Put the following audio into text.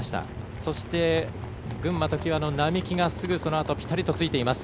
そして、群馬常磐の並木がそのあとぴたりとついています。